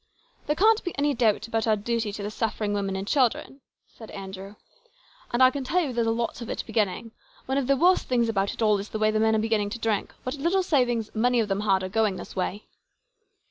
" There can't be any doubt about our duty to the suffering women and children," said Andrew. " And I can tell you there's a lot of it beginning. One of the worst things about it all is the way the men are beginning to drink. What little savings many of them had are going this way."